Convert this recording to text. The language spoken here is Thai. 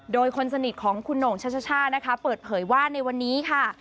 โดยคนสนิทของคุณหน่งช่านะคะเปิดเผยว่าในวันนี้ค่ะ